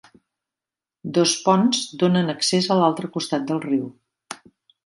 Dos ponts donen accés a l"altre costat del riu.